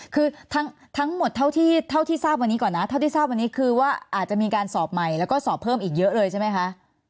คือทั้งหมดเท่าที่ทราบวันนี้ก่อนคือว่าอาจจะมีการสอบใหม่และที่สอบเพิ่มหลายใช่ไหมคะ